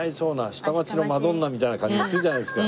下町のマドンナみたいな感じがするじゃないですか。